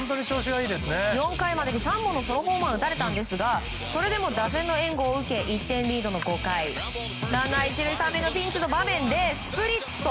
４回までに３本のソロホームランを打たれたんですがそれでも打線の援護を受け１点リードの５回ランナー１塁３塁のピンチでスプリット。